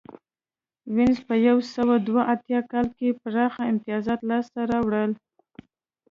وینز په یو سوه دوه اتیا کال کې پراخ امتیازات لاسته راوړل